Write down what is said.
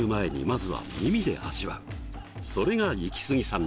それがイキスギさん